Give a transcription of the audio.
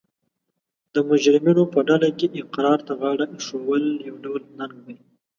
د مجرمینو په ډله کې اقرار ته غاړه ایښول یو ډول ننګ دی